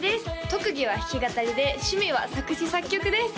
特技は弾き語りで趣味は作詞作曲です